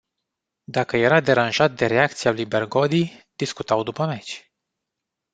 Dacă era deranjat de reacția lui Bergodi, discutau după meci.